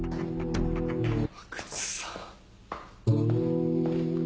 阿久津さん。